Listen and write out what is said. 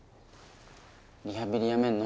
リハビリやめるの？